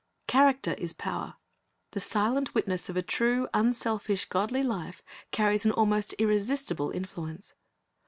Character is power. The silent witness of a true, unselfish, godly life carries an almost irresistible influence.